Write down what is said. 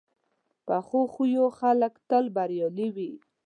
پخو خویو خلک تل بریالي وي